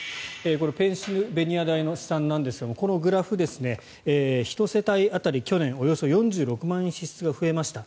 これ、ペンシルベニア大の試算なんですが、このグラフは１世帯当たり去年およそ４６万円支出が増えました。